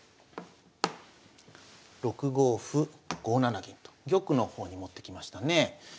６五歩５七銀と玉の方に持ってきましたね。